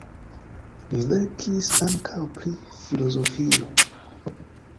Li verkis ankaŭ pri filozofio.